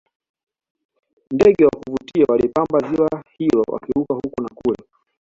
ndege wa kuvutia wanalipamba ziwa hilo wakiruka huku na kule